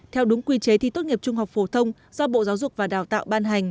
theo đúng quy chế thi tốt nghiệp trung học phổ thông do bộ giáo dục và đào tạo ban hành